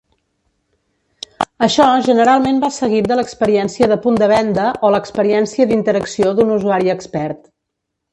Això generalment va seguit de l'experiència de punt de venda o l'experiència d'interacció d'un usuari expert.